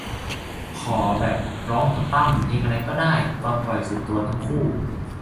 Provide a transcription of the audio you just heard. ขอแบบร้องกับตั้ม เพลงอะไรก็ได้ตอนปล่อยสุดตัวทั้งคู่